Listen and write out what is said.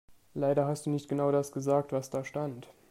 Leider hast du nicht genau das gesagt, was da stand.